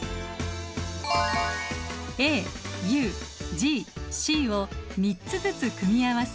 ＡＵＧＣを３つずつ組み合わせ